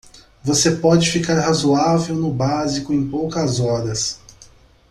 Você pode ficar razoável no básico em poucas horas.